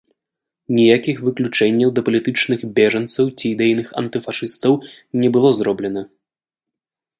Ніякіх выключэнняў для палітычных бежанцаў ці ідэйных антыфашыстаў не было зроблена.